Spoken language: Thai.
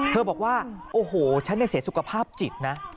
เธอบอกว่าโอ้โหฉันในเศรษฐ์สุขภาพจิตนะ